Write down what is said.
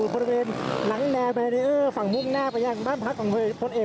บริเวณหลังแนวแบรีเออร์ฝั่งมุ่งหน้าไปยังบ้านพักของพลเอก